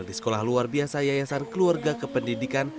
di sekolah luar biasa yayasan keluarga kependidikan